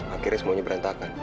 akhirnya semuanya berantakan